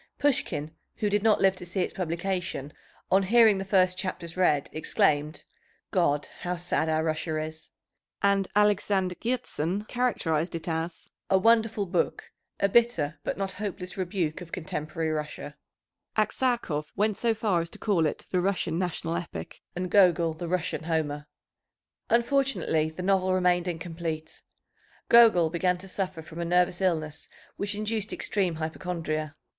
Pushkin, who did not live to see its publication, on hearing the first chapters read, exclaimed, "God, how sad our Russia is!" And Alexander Hertzen characterized it as "a wonderful book, a bitter, but not hopeless rebuke of contemporary Russia." Aksakov went so far as to call it the Russian national epic, and Gogol the Russian Homer. Unfortunately the novel remained incomplete. Gogol began to suffer from a nervous illness which induced extreme hypochondria.